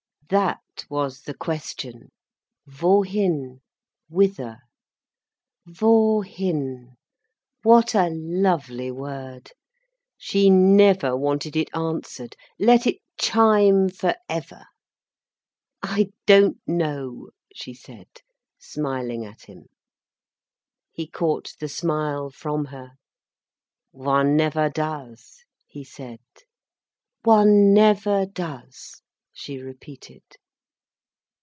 _" That was the question—wohin? Whither? Wohin? What a lovely word! She never wanted it answered. Let it chime for ever. "I don't know," she said, smiling at him. He caught the smile from her. "One never does," he said. "One never does," she repeated.